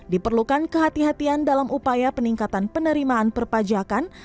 diperlukan kehati hatian dalam upaya peningkatan penerimaan perpajakan